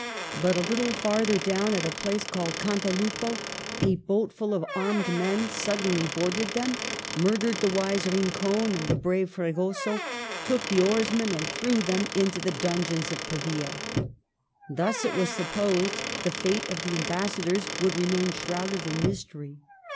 But a Httle farther down, at a place called Cantalupo, a boat full of armed men sud denly boarded them, murdered the wise Rincon and the brave Fregoso, took the oarsmen and threw them into the dungeons of Pavia Thus it was supposed the fate of the ambassadors would remain shrouded in mystery.